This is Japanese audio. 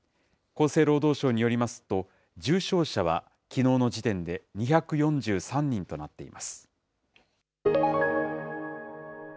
厚生労働省によりますと、重症者はきのうの時点で２４３人となっています。